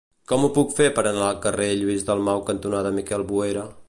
Com ho puc fer per anar al carrer Lluís Dalmau cantonada Miquel Boera?